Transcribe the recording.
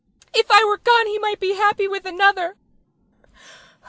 If I were gone he might be happy with another.